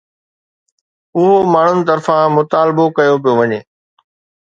اهو ماڻهن طرفان مطالبو ڪيو پيو وڃي